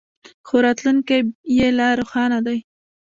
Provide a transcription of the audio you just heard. خو راتلونکی یې لا روښانه دی.